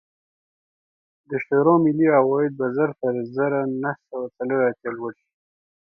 د شوروي ملي عواید به تر زر نه سوه څلور اتیا لوړ شي